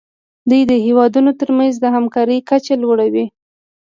دوی د هیوادونو ترمنځ د همکارۍ کچه لوړوي